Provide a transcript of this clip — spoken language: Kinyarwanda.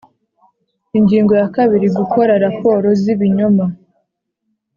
ingingo ya kabiri gukora raporo z ibinyoma